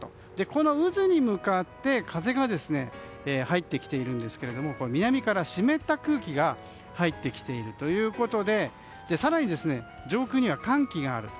この渦に向かって風が入ってきていますが南から湿った空気が入ってきているということで更に、上空には寒気がある。